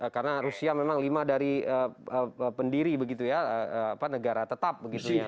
karena rusia memang lima dari pendiri begitu ya negara tetap begitu ya